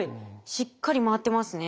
しっかり回ってますね。